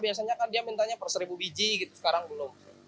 biasanya kan dia mintanya per seribu biji gitu sekarang belum